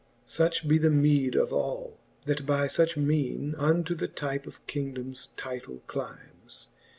Such be the meede of all, that by fuch mene Unto the type of kingdomes title clymes.